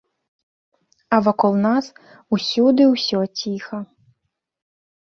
А вакол нас усюды ўсё ціха.